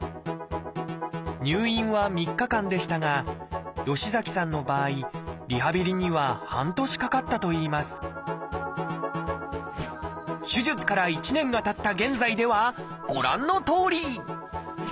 入院は３日間でしたが吉崎さんの場合リハビリには半年かかったといいます手術から１年がたった現在ではご覧のとおり！